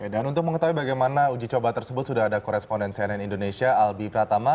dan untuk mengetahui bagaimana uji coba tersebut sudah ada koresponden cnn indonesia albi pratama